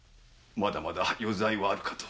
まだまだ余罪はあるかと。